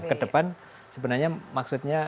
ke depan sebenarnya maksudnya